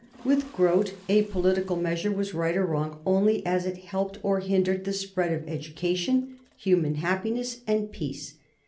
With Grote a political measure was right or wrong only as it helped or hindered the spread of education, human happiness, and peace.